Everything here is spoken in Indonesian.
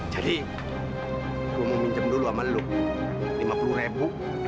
jadi gua mau minjem dulu sama lu lima puluh ribu